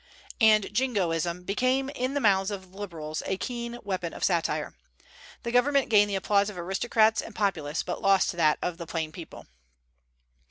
And Jingoism became in the mouths of the Liberals a keen weapon of satire. The government gained the applause of aristocrats and populace, but lost that of the plain people.